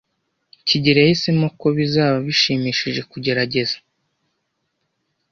kigeli yahisemo ko bizaba bishimishije kugerageza .